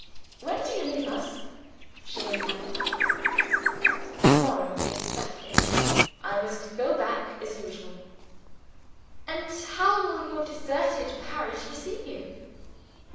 "When do you leave us," she inquired. "To morrow is Saturday I must go back as usual." "And how will your deserted parish receive you?"